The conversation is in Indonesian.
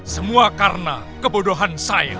semua karena kebodohan saya